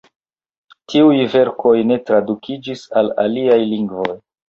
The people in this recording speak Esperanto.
Tiuj verkoj ne tradukiĝis al aliaj lingvoj.